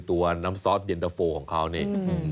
ตัวน้ำซอสเย็นตะโฟของเขานี่